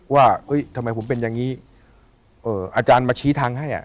ว่าทำไมผมเป็นอย่างนี้อาจารย์มาชี้ทางให้อ่ะ